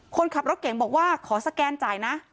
คนขับรถเก่งบอกว่าขอสแกนจ่ายนะ